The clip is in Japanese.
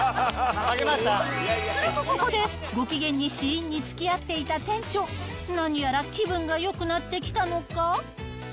するとここで、ご機嫌に試飲につきあっていた店長、何やら気分がよくなってきたのか。